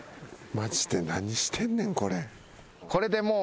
マジで何してんねんこれ。